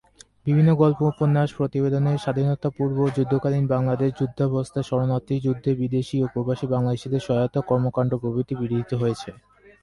বিভিন্ন গল্প-উপন্যাস, প্রতিবেদনে স্বাধীনতা-পূর্ব ও যুদ্ধকালীন বাংলাদেশ, যুদ্ধাবস্থায় শরণার্থী, যুদ্ধে বিদেশী ও প্রবাসী বাংলাদেশীদের সহায়তা, কর্মকাণ্ড প্রভৃতি বিধৃত হয়েছে।